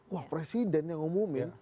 wah presiden yang umumin